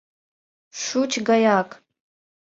— Шӱч гаяк!